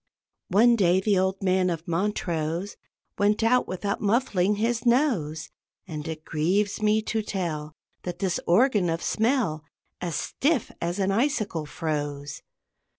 One day the old man of Montrose Went out without muffling his nose; And it grieves me to tell That this organ of smell As stiff as an icicle froze.